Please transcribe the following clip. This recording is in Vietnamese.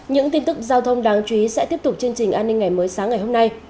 những tin tức giao thông đáng chú ý sẽ tiếp tục chương trình an ninh ngày mới sáng ngày hôm nay